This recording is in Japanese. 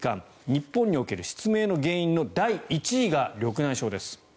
日本における失明の原因の第１位が緑内障です。